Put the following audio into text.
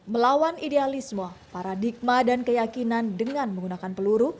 melawan idealisme paradigma dan keyakinan dengan menggunakan peluru